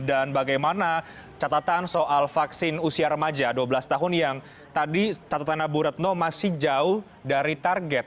dan bagaimana catatan soal vaksin usia remaja dua belas tahun yang tadi catatan bu retno masih jauh dari target